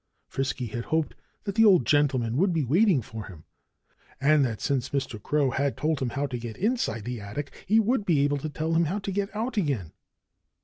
Frisky had hoped that the old gentleman would be waiting for him, and that since Mr. Crow had told him how to get inside the attic he would be able to tell him how to get out again.